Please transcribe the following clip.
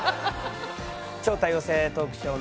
「超多様性トークショー！